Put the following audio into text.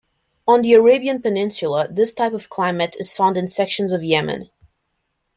On the Arabian Peninsula, this type of climate is found in sections of Yemen.